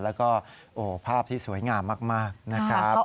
แล้วก็ภาพที่สวยงามมากนะครับ